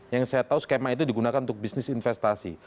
yang saya tahu skema itu digunakan untuk bisnis investasi